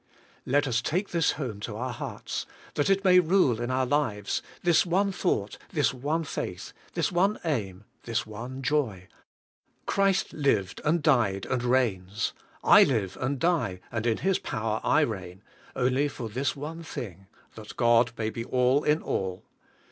Let us take this home to our hearts, that it may rule in our lives — this one thought, this one faith, this one aim, this one joy: Christ lived, and died, and reigns; I live and die and in His power I reign; onl}^ for this one thing, "that God maj^ be all in all."